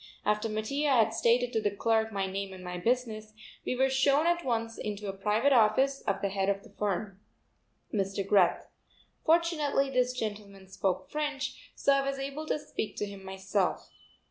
After Mattia had stated to the clerk my name and my business, we were shown at once into the private office of the head of the firm, Mr. Greth. Fortunately this gentleman spoke French, so I was able to speak to him myself.